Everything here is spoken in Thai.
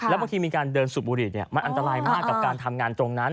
บางทีมีการเดินสูบบุหรี่มันอันตรายมากกับการทำงานตรงนั้น